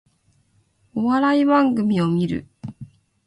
お笑い番組を観る